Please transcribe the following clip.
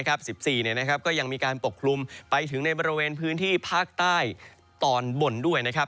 ๑๔ก็ยังมีการปกคลุมไปถึงในบริเวณพื้นที่ภาคใต้ตอนบนด้วยนะครับ